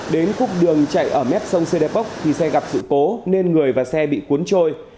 đến khúc đường chạy ở mét sông sê đê pốc thì xe gặp sự cố nên người và xe bị cuốn trôi